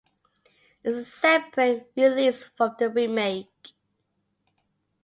It's a separate release from the remake.